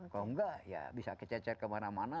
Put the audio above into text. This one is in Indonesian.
kalau enggak ya bisa kececer kemana mana